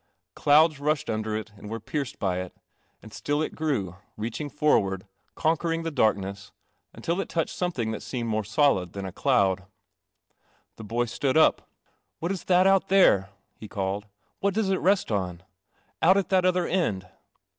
Clouds rushed under it and were pierced by it, and still it grew, reaching forward, conquering the dark ness, until it touched something that seemed more solid than a cloud. The boy stood up. "What is that out there?" he called. " What does it rest on, out at that other end?